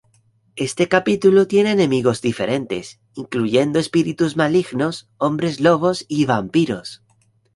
Este capítulo tiene enemigos diferentes, incluyendo espíritus malignos, hombres lobos, y vampiros.